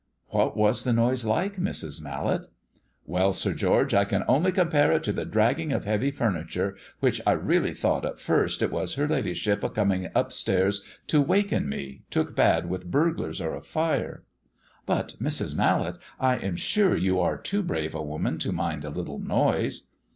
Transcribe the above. "What was the noise like, Mrs. Mallet?" "Well, Sir George, I can only compare it to the dragging of heavy furniture, which I really thought at first it was her ladyship a coming upstairs to waken me, took bad with burglars or a fire." "But, Mrs. Mallet, I am sure you are too brave a woman to mind a little noise."